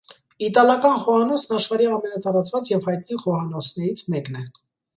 Իտալական խոհանոցն աշխարհի ամենատարածված և հայտնի խոհանոցներից մեկն է։